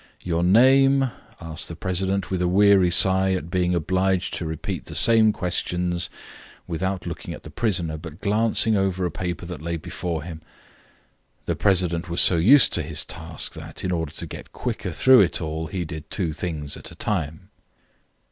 "Your name?" asked the president, with a weary sigh at being obliged to repeat the same questions, without looking at the prisoner, but glancing over a paper that lay before him. The president was so used to his task that, in order to get quicker through it all, he did two things at a time.